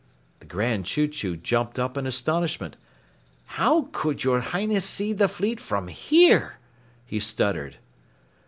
The Grand Chew Chew jumped up in astonishment. "How could your Highness see the fleet from here?" he stuttered.